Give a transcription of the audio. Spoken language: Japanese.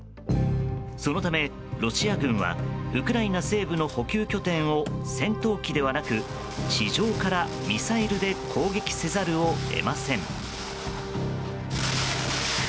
そのため、ロシア軍はウクライナ西部の補給拠点を戦闘機ではなく、地上からミサイルで攻撃せざるを得ません。